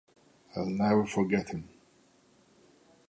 I'll never forget him.